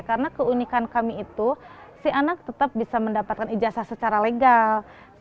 karena keunikan kami itu si anak tetap bisa mendapatkan ijazah secara legal